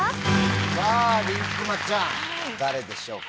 さぁりんくまちゃん誰でしょうか？